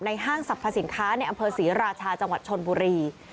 ห้างสรรพสินค้าในอำเภอศรีราชาจังหวัดชนบุรี